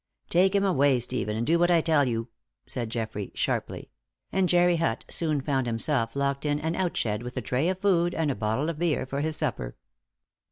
"Take him away, Stephen, and do what I tell you," said Geoffrey, sharply; and Jerry Hutt soon found himself locked in an out shed with a tray of food and a bottle of beer for his supper.